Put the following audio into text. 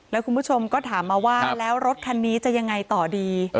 แล้วคุณผู้ชมก็ถามมาว่าแล้วรถคันนี้จะยังไงต่อดี